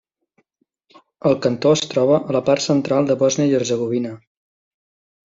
El cantó es troba a la part central de Bòsnia i Hercegovina.